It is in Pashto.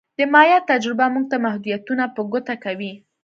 د مایا تجربه موږ ته محدودیتونه په ګوته کوي